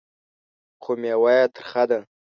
خو مېوه یې ترخه ده .